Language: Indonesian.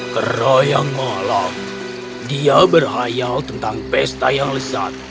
kera yang malang dia berhayal tentang pesta yang lesat